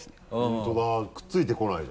本当だくっついてこないな。